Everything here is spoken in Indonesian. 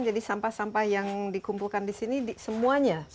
jadi sampah sampah yang dikumpulkan di sini semuanya di fresh